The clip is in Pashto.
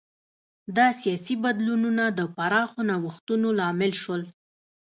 دا سیاسي بدلونونه د پراخو نوښتونو لامل شول.